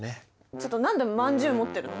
ちょっと何でまんじゅう持ってるの？